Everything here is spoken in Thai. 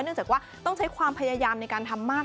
จากว่าต้องใช้ความพยายามในการทำมาก